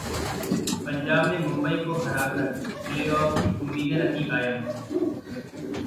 पंजाब ने मुंबई को हराकर प्लेऑफ की उम्मीदें रखी कायम